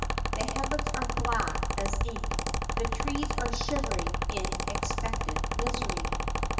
The heavens are black as ink, the trees are shivering in expectant misery.